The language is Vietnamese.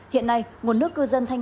hiện nay nguồn nước cư dân thanh hà nội